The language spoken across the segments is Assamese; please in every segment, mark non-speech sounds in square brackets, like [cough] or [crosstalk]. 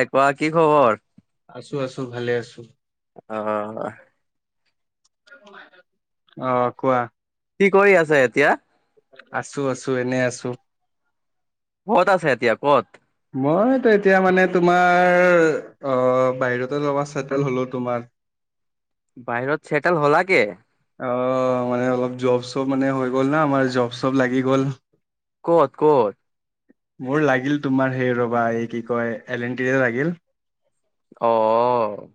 ঐ কোৱা, কি খবৰ? আছো, আছো ভালে আছো। অ'। অ, কোৱা। কি কৰি আছে এতিয়া? আছো, আছো এনেই আছো। ক'ত আছে এতিয়া ক'ত? মইতো এতিয়া মানে তোমাৰ অ, বাহিৰতে ৰবা চেটেল হলো তোমাৰ। বাহিৰত চেটেল হলা গে? অ, মানে অলপ জব চপ মানে হৈ গ'ল না, আমাৰ জব চব লাগি গ'ল। ক'ত, ক'ত? মোৰ লাগিল তোমাৰ সেই ৰবা এই কি কয় এল এন টি এ লাগিল। অ। অ।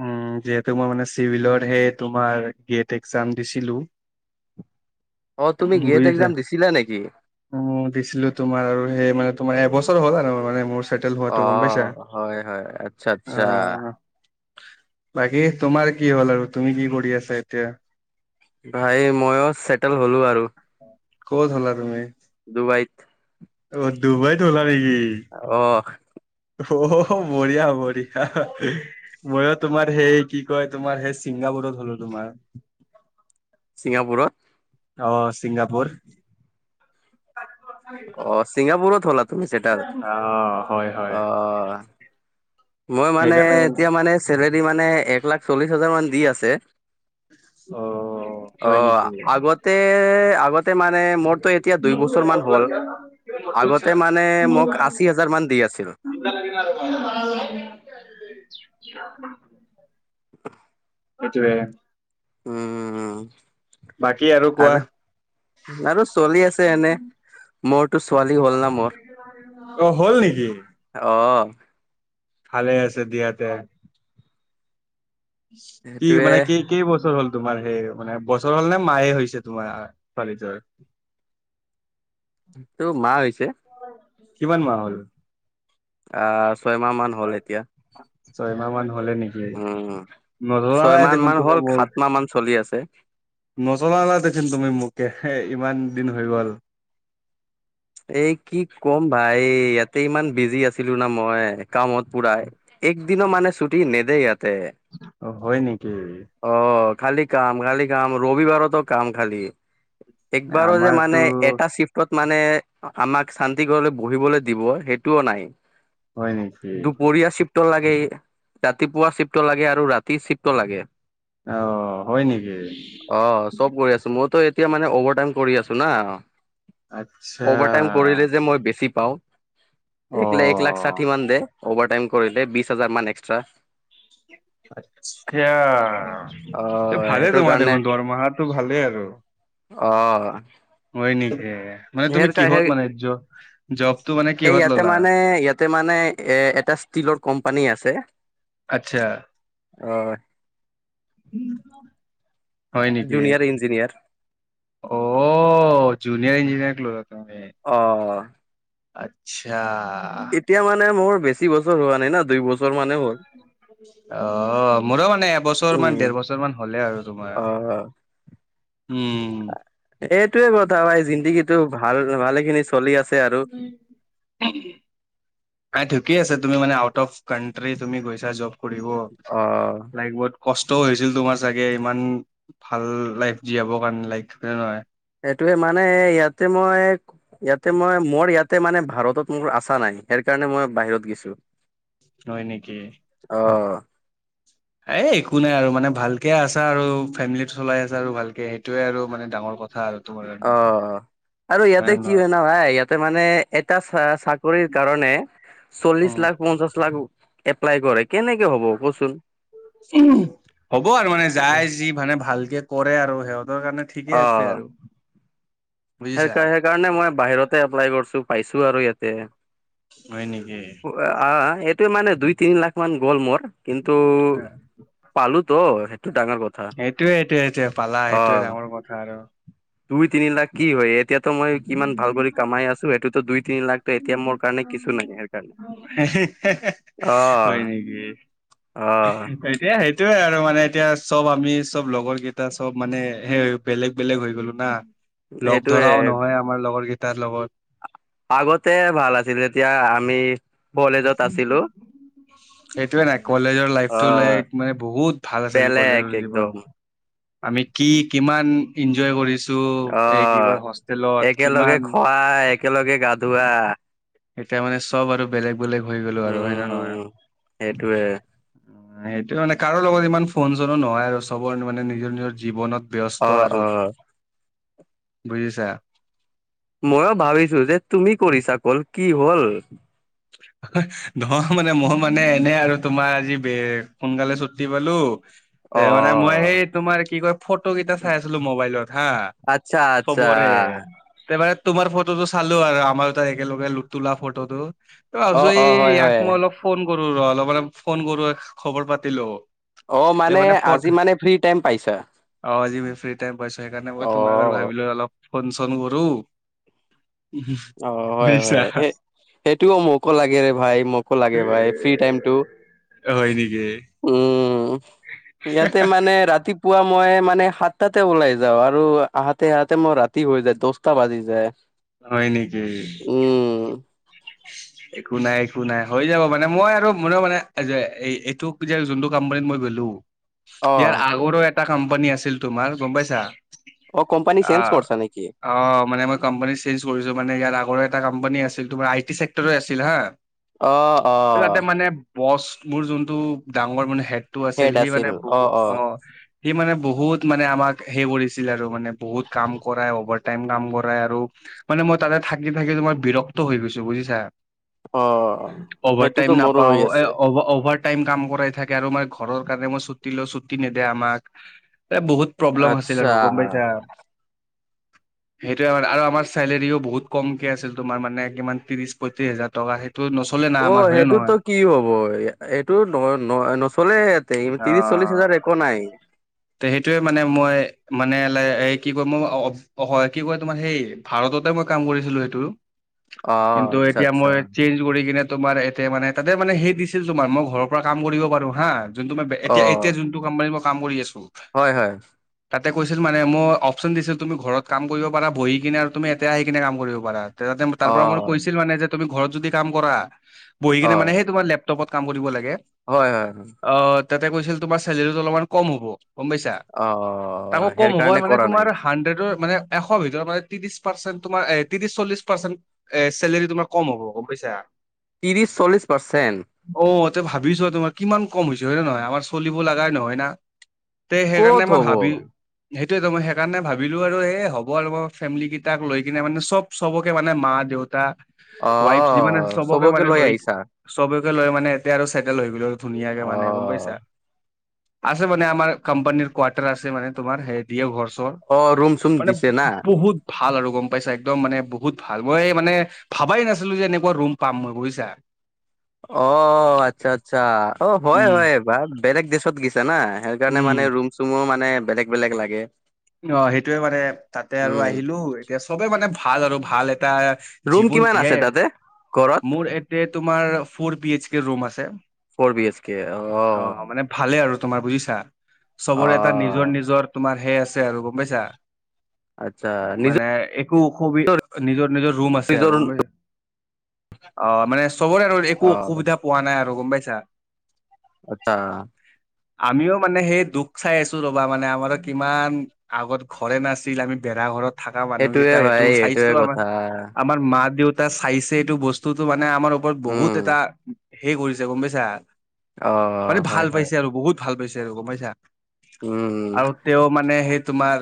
উম, যিহেতু মই মানে চিভিলত সে তোমাৰ গ্ৰেট একজাম দিছিলো। অ, তুমি গ্ৰেড একজাম দিছিলা নেকি? উম, দিছিলো তোমাৰ আৰু সেই মানে তোমাৰ এবছৰ হ'লা আৰু মানে মোৰ চা- অ, হয়, হয় আচ্ছা, অ আচ্ছা। বাকী তোমাৰ কি হ'ল আৰু তুমি কি কৰি আছা এতিয়া? ভাই মইয়ো চেটেল হ'লো আৰু। ক'ত হ'লা তুমি? ডুবাইত। অ, ডুবাইত হ'লা নেকি? অ। অ বঢ়িয়া বঢ়িয়া। মইয়ো তোমাৰ সেই কি কয় তোমাৰ সেই ছিংগাপুৰত হ'লো তোমাৰ। ছিংগাপুৰত? অ ছিংগাপুৰ। অ ছিংগাপুৰত হ'লা তুমি চেটাৰ? অ' হয় হয়। অ মই মানে এতিয়া মানে চেলাৰী মানে এক লাখ চল্লিশ হাজাৰ মান - দি আছে, অ' অ হয় নেকি? আগতে আগত- তে মানে মোৰতো এতিয়া দুই বছৰ মান হ'ল, আগতে মানে মোক আশী হাজাৰ মান দি আছিল। [unintelligible] [unintelligible] সেইটোৱে উম উম উম। বাকী আৰু কোৱা। আৰু চলি আছে এনেই, মোৰতো ছোৱালী হ'ল না মোৰ। অ হ'ল নেকি? অ। ভালে আছে দিয়াতে। কি সেইটোৱে মানে কে- কেই বছৰ হ'ল তোমাৰ সেই মানে বছৰ হল নে মাহে হৈছে তোমাৰ ছোৱালি জৰ? [inaudible] তো মাহ হৈছে। কিমান মাহ হল? আহ ছয়মাহ মান হ'ল এতিয়া। চ এমাহ মান হ'লে নে। উম নজৰা নাই ছয়মাহ দেখোন মান তুমি হ'ল মোক। সাত মাহ মান চলি আছে নচলাও না দেখন তুমি মোকে হে ইমান দিন হৈ গ'ল। এ কি ক'ম ভাই ইয়াতে ইমান বিজি আছিলোঁ না মই। কামত পুৰাই এক দিনো মানে ছুটি নেদে ইয়াতে। অ হয় নেকি। অ খালি কাম খালি কাম ৰবিবাৰতো কাম খালি। একবাৰো যে আমাৰতো মানে এটা চিফ। টত মানে আমাক শান্তি ঘৰলৈ বহিবলৈ দিব সেইটোও নাই। হয় নেকি? দুপৰীয়া চিপ। টো লাগেই ৰাতিপুৱা চিফটো লাগে আৰু ৰাতি চিফটো লাগে। অ' হয় নেকি? অ চব কৰি আছোঁ মইতো এতিয়া মানে অভাৰটাইম কৰি আছোঁ না। আচ্ছা অভাৰটাইম কৰিলে যে মই বেছি পাওঁ। একলে এক লাখ অ' ষাঠি মান দে অভাৰটাইম কৰিলে বিশ হাজাৰ মান এক্সট্ৰা। এতিয়া। অ এ ভালে সেইটোৰ তোমাৰ কাৰণে দেখোন দৰমাহাতো ভালেই আৰু। অ। হয় নেকি মানে তুমি কিহত সেই মানে জব জবতটো মানে কিহত ললা। তাতে মানে এ এটা ষ্টীলৰ কোম্পানী আছে। আচ্ছা। অ। উম। Junior engineer. অ জুনিয়াৰ ইঞ্জিনিয়াৰ লৈক মানে। অ। আচ্ছা। এতিয়া মানে মোৰ বেছি বছৰ হোৱা নাই না দুই বছৰ মানে হ'ল। অ মোৰো মানে এবছৰ মান উম দেৰ বছৰ মান হ'লে আৰু অ তোমাৰ। উম। এইটোৱে কথা ভাই জিন্দগীটো ভাল ভালে খিনি চলি আছে আৰু। ঠিকে আছে তুমি মানে আউট অফ কানট্ৰি তুমি গৈছা জ। কৰিব অ লাইক বত। কষ্টও হৈছিল তোমাৰ চাগে ইমান ভাল লাইফ জীয়াবৰ কাৰণে লাইক হয়ে নহয়। সেইটোৱে মানে ইয়াতে মই। ইয়াতে মই মোৰ ইয়াতে মানে ভাৰতত মোৰ আশা নাই সেই কাৰণে মই বাহিৰত গৈছোঁ। হয় নেকি? অ'। এ একো নাই আৰু মানে ভালকে আছা আৰু ফেমিলি চলাই আছা আৰু ভালকে সেইটোয়ে আৰু মানে ডাঙৰ কথা। আৰু তোমাৰ কাৰণে অ'। আৰু হয় ইয়াতে নে কি নহয়? জান ভাই ইয়াতে মানে এটা চা-চাকৰিৰ কাৰণে। চল্লিশ উম। লাখ পঞ্চাশ লাখ এপ্লাই কৰে। কেনেকে হ'ব? কচোন হ'ব আৰু মানে যাই। যি মানে ভালকে কৰে আৰু সিহঁতৰ কাৰণে ঠিকে আছে আৰু। বুজিছা সেইকাৰ সেইকাৰণে মই বাহিৰতে এপ্লাই কৰিছোঁ পাইছোঁ আৰু ইয়াতে। আহ হয় নেকি? এইটোৱে মানে দুই তিনি লাখ মান গ'ল মোৰ। কিন্তু পালো তো সেইটো ডাঙৰ কথা। সেইটোৱে সেইটোৱে সেইটোৱে পালা অ সেইটোৱে ডাঙৰ কথা আৰু। দুই তিনি লাখ কি হয় এতিয়াতো মই কিমান ভাল কৰি কামাই আছোঁ। সেইটোতো দুই তিনি লাখটো এতিয়া মোৰ কাৰণে কিছু নাই সেই কাৰণে। হয় নেকি? অ এ সেইটোয়ে আৰু মানে এতিয়া চব আমি চব লগৰ কেইটা চব মানে সেই বেলেগ বেলেগ হৈ গ'লো না, লগ সেইটোয়ে ধৰাও নহয় আমাৰ লগৰ কেইটাৰ লগত। আগতে ভাল আছিল যেতিয়া আমি কলেজত আছিলোঁ। সেইটোয়ে নাই কলেজৰ লাইফতটো লাইক মানে বহুত ভাল আছিলোঁ বেলেগ কলেজৰ একদম জীৱন। আমি কি কিমান এনজয় কৰিছোঁ। অ ত এই কয় হষ্টেলত একেলগে কিমান খোৱা একেলগে গা ধোৱা এতিয়া মানে চব আৰু বেলেগ বেলেগ হৈ গলোঁ আৰু হয় নে নহয়? উম সেইটোৱে সেইটোৱে মানে কাৰো লগত ইমান ফোন চনো নহয় আৰু চবৰে মানে নিজৰ নিজৰ জীৱনত অ ব্যস্ত আৰু অ বুজিছা? ময়ো ভাবিছোঁ যে তুমি কৰিছা কল কি হ'ল। [inaudible] নহয় মানে মই মানে এনে আৰু তোমাৰ আজি ব সোনকালে ছুটি পালো। তে অ মানে মই সেই তোমাৰ কি কয় ফটো কেইটা চাই আছিলোঁ মবাইলত হা। আচ্ছা আচ্ছা। তেবে তোমাৰ ফটোটো চালো আৰু আমাৰ দুটাৰ একেলগে লো তোলা ফটোটো। ত' অ ভাবিছো অ এই হয় ইয়াক হয় মই অলপ ফোন কৰো ৰ' অলপ ম ফোন কৰো খবৰ পাতি লওঁ। অ' মানে আজি মানে ফ্ৰী টাইম পাইছা? অ' আজি ফ্ৰী টাইম পাইছো। সেইকাৰণে মই অ তোমাক আগ ভাবিলো অলপ ফোন চোন কৰো। অ' হয় বুজিছা? হয় এই সেইটোও মোকো লাগে ৰে ভাই, মোকো লাগে এ, ভাই ফ্ৰি টাইমটো। হয় নেকি? উম, ইয়াতে মানে ৰাতি- পুৱা মই মানে সাতটাতে ওলাই যাওঁ। আৰু আহাতে আহাতে মই ৰাতি হৈ যায় দহটা বাজি যায়। হয় নেকি? উম। [inaudible] একো নাই একো নাই হৈ যাব মানে। মই আৰু মোৰো মানে এই যে এইটো যে যোনটো কোম্পানীত মই গ'লো। অ ইয়াৰ আগৰো এটা কোম্পানী আছিল তোমাৰ গম পাইছা? অ কোম্পানী আ চেঞ্জ কৰছা নেকি? অ মানে মই কম্পানী চেঞ্জ কৰিছো, মানে ইয়াত আগৰে এটা কম্পানী আছিল তোমাৰ আই টি চেক্টৰে আছিল হা। অ অ তাতে মানে বছ বোৰ যোনটো ডাঙৰ মানে হেড। টো আছিল। সি মানে বহুত অ সি মানে বহুত মানে আমাক হে কৰিছিল আৰু মানে। বহুত কাম কৰাই অভাৰটাইম কাম কৰাই আৰু মানে মই তাতে থাকি থাকি তোমাৰ বিৰক্ত হৈ গৈছো। বুজিছা? অ অভাৰ টাইম সেইটোতো মোৰো নাপাওঁ হৈ এ আছে। অভ অভাৰ। টাইম কাম কৰাই থাকে। আৰু মানে ঘৰৰ কাৰণে মই ছুটি লৈ ছুটি নিদে আমাক এ বহুত প্ৰব্লেম আছিল আচ্ছা। আৰু গম পাইছা? সেইটোৱে আৰু আৰু আমাৰ চেলেৰিও বহুত কমকে আছিল। তোমাৰ মানে কিমান ত্ৰিৰিশ পঁয়ত্ৰিছ হাজাৰ টকাহে ত নচলে। না অ আমাৰ হয়নে সেইটোতো নহয় কি হব এইটো ন ন নচলে ইয়াতে। ত্ৰিশ-চল্লিশ হাজাৰত অ একো নাই। তে, সেইটোৱে মানে, মই মানে এ কি কয়, মই অ অ, হয়, কি কয় তোমাৰ, সেই ভাৰততে মই কাম কৰিছিলো সেইটো। অ কিন্তু আচ্ছা এতিয়া আচ্ছা মই চেইঞ্জ কৰি কিনে তোমাৰ, ইয়াতে মানে তাতে মানে সেই দিছিল তোমাৰ, মই ঘৰৰ পৰা কাম কৰিব পাৰো হা। যোনটো তোমাৰ অ এতিয়া, এতিয়া যোনটো কোম্পানী মই কাম কৰি আছো। হয়, হয়। তাতে কৈছিল মানে, মই অপচন দিছিল, তুমি ঘৰত কাম কৰিব পাৰা বহি কিনে, আৰু তুমি ইয়াতে আহি কিনে কাম কৰিব পাৰা। তাতে অ তাৰ পৰা মানে কৈছিল মানে যে, তুমি ঘৰত যদি কাম কৰা বহি অ কিনে মানে, সেই তোমাৰ লেপ টপত কাম কৰিব লাগে। হয়, হয়, হয়। অ, তাতে কৈছিল, তোমাৰ চেলেৰীটো অলপমান কম হ'ব। গম পাইছা! অ তাকো সেই কম হ'ব কাৰণে মানে কৰা নাই তোমাৰ হাণ্ড্ৰেডৰ মানে এশ ভিতৰত মানে, ত্ৰিশ পাৰ্চেণ্ট তোমাৰ ত্ৰিশ-চল্লিছ পাৰ্চেণ্ট এ, চেলেৰী তোমাৰ কম হ'ব, গম পাইছা! ত্ৰিশ-চল্লিছ পাৰ্চেণ্ট! অ, তে ভাবি চোৱা, তোমাৰ কিমান কম হৈছে, হয় নে নহয়! আমাৰ চলিব লাগাই নহয় না! তে, সেইকাৰণে ক'ত মই হ'ব ভাবিলো সেইটোৱেতো, মই সেইকাৰণে ভাবিলো আৰু, এই হ'ব আৰু মই ফেমিলি কেইটাক লৈ কিনে মানে চব-চবকে মানে মা দেউতা, অ ৱাইফ যিমান আছে চবকে মানে লৈ চবকে লৈ মানে ইয়াতে আৰু ছেটেল হৈ গ'লো আৰু ধুনীয়াকে, অ মানে গম পাইছা! আছে মানে, আমাৰ কোম্পানীৰ কোৱাৰ্টাৰ আছে মানে, তোমাৰ হে দিয়ে ঘৰ-চৰ। অ ৰুম চুম মানে দিছে না বহুত ভাল আৰু গম পাইছা, একদম মানে বহুত ভাল, মই মানে ভাবাই নাছিলো যে, এনেকুৱা ৰুম পাম মই বুজিছা! অ, আচ্ছা, আচ্ছা! অ, হয়, উম হয়, এইবাৰ বেলেগ দেসত গৈছা না। সেই কাৰণে উম। মানে ৰুম-চুমও মানে বেলেগ-বেলেগ লাগে। অ, সেইটোয়ে মানে, তাতে আৰু উম আহিলো, এতিয়া চবে মানে ভাল আৰু ভাল এটা ৰুম জীৱন কিমান আছে জীয়াই, তাতে ঘৰত মোৰ ইয়াতে তোমাৰ four B H K room আছে। ফৰ বি এইচ কে, অ, অ। ভালে আৰু তোমাৰ বুজিছা! চবৰে এটা অ' নিজৰ-নিজৰ তোমাৰ হে আছে গম পাইছা! আচ্ছা মানে নিজৰ একো অসুবি নিজৰ-নিজৰ ৰুম আছে। আছে আৰু নিজৰ গম পাইছা, অ, মানে চবৰে আৰু একো অ' অসুবিধা পোৱা নাই আৰু, গম পাইছা! আচ্ছা! আমিও মানে সেই দুখ চাই আছো, ৰ'বা মানে, আমাৰো কিমান আগত ঘৰে নাছিল। আমি বেৰা ঘৰত থকা সেইটোয়ে মানুহকেইটাই এইটো ভাই চাইছো সেইটোয়ে আমাৰ কথা আমাৰ মা-দেউতা চাইছে, এইটো বস্তুটো মানে আমাৰ ওপৰত বহুত উম এটা হেই কৰিছে গম পাইছা, মানে অ' হয় ভাল হয় পাইছে আৰু বহুত ভাল পাইছে আৰু গম পাইছা। উম আৰু তেওঁ মানে সেই তোমাৰ,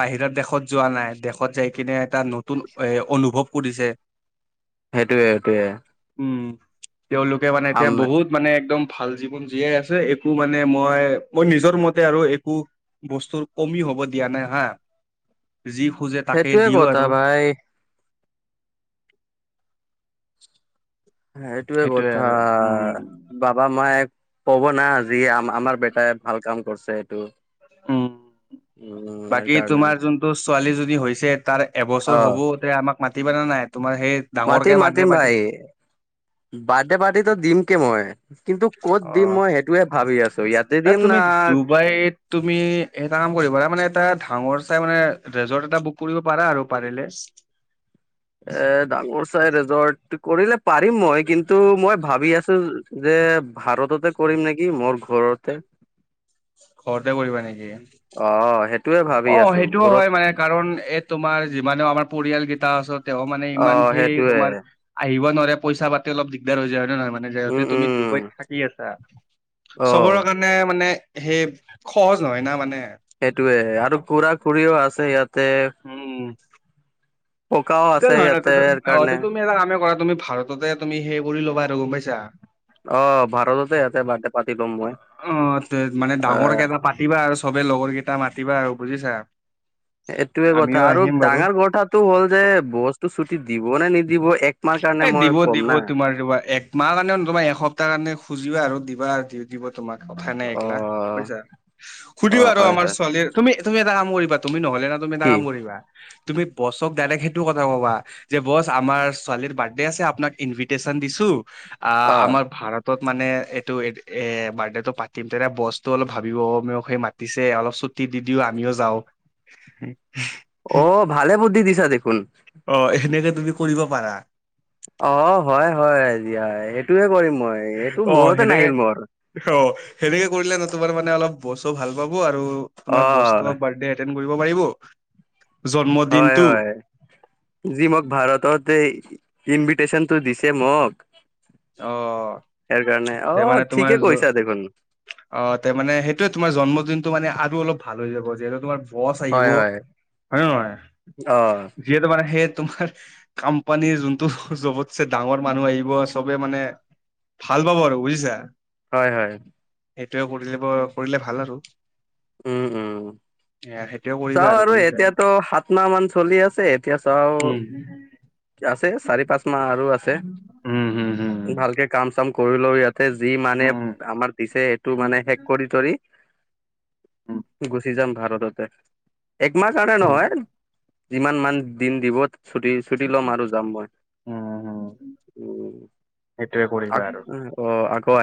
বাহিৰৰ দেশত যোৱা নাই, দেশত যাই কিনে এটা নতুন এ, অনুভৱ কৰিছে। হেইটোৱে, হেইটোৱে। উম। তেওঁলোকে মানে এতিয়া বহুত মানে একদম ভাল জীৱন জীয়াই আছে, একো মানে মই, মই নিজৰ মতে আৰু একো বস্তুৰ কমি হ'ব দিয়া নাই হা, যি খোজে তাকে সেইটোয়ে দিও কথা আৰু। ভাই হেইটোৱে সেইটোয়ে কথা। আৰু উম বাবা-মায়ে ক'ব না! আজি আম আমাৰ বেটাই ভাল কাম কৰিছে, এইটো। উম। উম। বাকী সেইকাৰণে তোমাৰ যোনটো ছোৱালীজনী হৈছে, তাৰ এবছৰ হ'ব। অ', তে আমাক মাতিবা নে, নাই? তোমাৰ সেই ডাঙৰকে মাতিম বাৰ্থডে মাতিম পাৰ্টি ভাই, বাৰ্থডে পাৰ্টিটো দিম কে মই। কিন্তু, ক'ত অ দিম মই সেইটোয়ে ভাবি আছো, ইয়াতে মানে দিম তুমি না ডুবাইত তুমি এটা কাম কৰিব পাৰা, মানে এটা ডাঙৰ চাই মানে ৰেজৰ্ট এটা বুক কৰিব পাৰা আৰু পাৰিলে। এ ডাঙৰ চাই ৰিজৰ্ট, কৰিলে পাৰিম মই, কিন্তু মই ভাবি আছো যে, ভাৰততে কৰিম নেকি, মোৰ ঘৰতে। ঘৰতে কৰিবা নেকি? অ, সেইটোৱে অ ভাবি আছো সেইটোও হয় ঘৰত মানে কাৰণ, এই তোমাৰ যিমানেও আমাৰ পৰিয়ালকেইটা আছে, তেওঁ মানে ইমান অ', সেই সেইটোয়ে তোমাৰ আহিব নোৱাৰে পইচা-পাতি অলপ দিগদাৰ হৈ যায়, হয় নে নহয়? উম, এতিয়া তুমি উম, ডুবাইত থাকি আছা, চবৰ অ', কাৰণে মানে, সেই সহজ নহয় না মানে। সেইটোৱে আৰু খুৰা-খুৰিও আছে ইয়াতে। উম। ককাও আছে ইয়াতে [inaudible] অ কাৰণে তুমি এটা কামে কৰা, তুমি ভাৰততে তুমি সেই কৰি ল'বা আৰু গম পাইছা। অ, ভাৰততে ইয়াতে বাৰডে পাতি লম মই আহ মাতিবা আৰু চবে লগৰ কেইটা মাতিবা আৰু বুজিছা। এইটোৱে কথা আমিও আৰু আহিম বাৰু ডাঙৰ কথাটো হ'ল যে, বছ টো ছুটি দিব নে নিদিব এক এ দিব দিব তোমাৰ কিবা, একমাহ কাৰণেও নহয়, তোমাৰ এসপ্তাহ কাৰণে খুজিবা আৰু দিবা আৰু দিব তোমাক, কথা নাই অ এগ্লা বুজিছা, অ সুধিবা আৰু হয় আমাৰ হয় ছোৱালীৰ তুমি, তুমি এটা কাম কৰিবা তুমি নহলে না তুমি এটা কি কাম কৰিবা। তুমি বছক ডাইৰেক্ট সেইটো কথা কবা, যে বছ আমাৰ ছোঁ ছোৱালীৰ বাৰ্থডে আছে, আপোনাক ইনচাইটশ্যন দিছো, আহ অ আমাৰ ভাৰত তট মানে এইটো এ, বাৰ্থডেটো পাতিম তেতিয়া বছটো অলপ ভাবিব অহ সেই মা পিছে আৰু ছুটি দি দিও, আমিও যাও। অ ভালে বুদ্ধি দিছা দেখোন। অ এই খিনিতে তুমি কৰিব পাৰা। অ হয় হয় দিয়া সেইটোহে কৰিম মই। এইটো মূৰতে নাহিল মোৰ। ছ সেনেকে কৰিলে নতুবাত অলপ বছো ভাল পাব আৰু অ তোমাৰ বছ তোমাৰ বাৰ্থডেত এণ্ড কৰিব পাৰিব। হয় জন্মদিনটো হয় যি মোক ভাৰততেই ইনভিটেশ্যনটো দিছে মোক। অ তাৰ কাৰণে, তে অ মানে তোমাৰ ঠিকে জ- কৈছা দেখোন। অ তাৰ মানে সেইটোয়ে তোমাৰ জন্মদিনটো মানে আৰু অলপ ভাল হৈ যাব। যিহেতু তোমাৰ বছ আহিব, হয় হয় হয় নে নহয়? অ যিহেতু মানে, সেই তোমাৰ কোম্পানীৰ যোনটো চবতছে ডাঙৰ মানুহ আহিবছ। চবে মানে ভাল পাব আৰু বুজিছা। হয়, হয়। সেইটোৱে কৰিলে ব কৰিলে ভাল আৰু। উম শুম। এয়া সেইটোয়ে ক চাও আৰু এতিয়াতো সাত মাহ মান চলি আছে এতিয়া চাও। উম আছে চাৰি-পাঁচ মাহ আৰু আছে। উম হম হম ভালকে কাম চাম কৰি লও ইয়াতে যি মানে, উম উম আমাৰ দিছে সেইটো মানে শেষ কৰি ধৰি। উম গুচি যাম ভাৰততে, একমাহ কাৰণে উম নহয়। যিমান মান দিন দিব ছুটি। ছুটি ল'ম আৰু যাম মই উম [unintelligible] সেইটোৱে কৰিবা আৰু অ' আকৌ আ